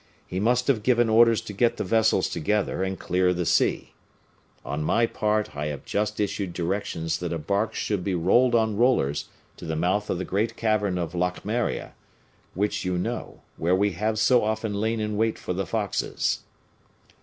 He must have given orders to get the vessels together and clear the seas. On my part I have just issued directions that a bark should be rolled on rollers to the mouth of the great cavern of Locmaria, which you know, where we have so often lain in wait for the foxes."